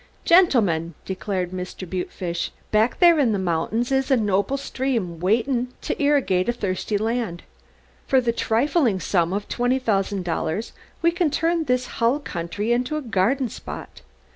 "Gentlemen," declared Mr. Butefish, "back there in the mountains is a noble stream waitin' to irrigate a thirsty land. For the trifling sum of twenty thousand dollars we can turn this hull country into a garden spot!